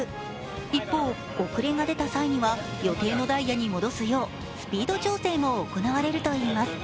一方、遅れが出た際には予定のダイヤに戻すようスピード調整も行われるといいます。